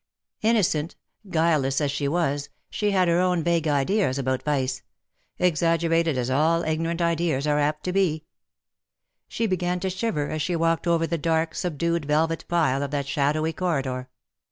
Innocent, guileless as she was, she had her own vague ideas about vice — exaggerated as all ignorant ideas are apt to be. She began to shiver as she walked over the dark subdued velvet pile of that shadowy corridor.